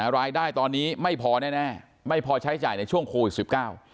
รายได้ตอนนี้ไม่พอแน่แน่ไม่พอใช้จ่ายในช่วงโควิดสิบเก้า